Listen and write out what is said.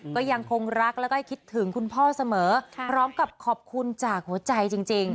ก็ยังคงรักแล้วก็คิดถึงคุณพ่อเสมอพร้อมกับขอบคุณจากหัวใจจริง